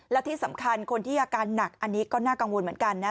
และที่สำคัญคนที่อาการหนักอันนี้ก็น่ากังวลเหมือนกันนะ